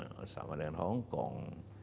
sama dengan di asia sama dengan hongkong